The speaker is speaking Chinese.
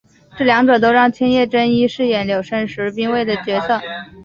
这两者都让千叶真一饰演柳生十兵卫的角色。